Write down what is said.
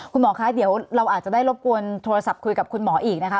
คุณหมอคะเดี๋ยวเราอาจจะได้รบกวนโทรศัพท์คุยกับคุณหมออีกนะคะ